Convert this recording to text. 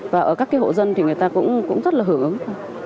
và ở các cái hộ dân thì người ta cũng rất là hưởng ứng